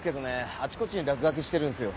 あちこちに落書きしてるんですよ。